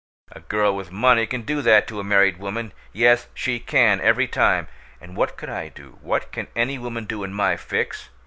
A girl with money can do that to a married woman yes, she can, every time! And what could I do? What can any woman do in my fix?